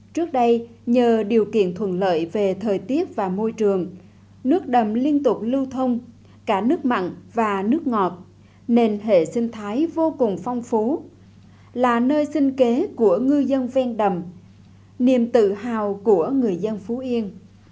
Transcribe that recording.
trước đây nhờ điều kiện thuận lợi về thời tiết và môi trường nước đầm liên tục lưu thông cả nước mặn và nước ngọt nên hệ sinh thái vô cùng phong phú là nơi sinh kế của ngư dân ven đầm niềm tự hào của người dân phú yên